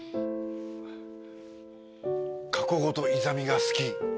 「過去ごとイザミが好き！」。